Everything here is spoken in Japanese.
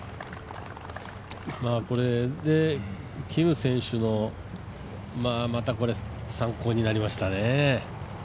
キム選手の、またこれ参考になりましたね。